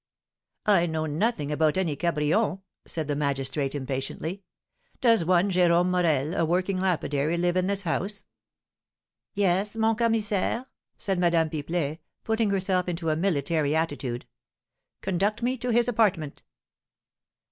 "I know nothing about any Cabrion," said the magistrate, impatiently. "Does one Jérome Morel, a working lapidary, live in this house?" "Yes, mon commissaire," said Madame Pipelet, putting herself into a military attitude. "Conduct me to his apartment."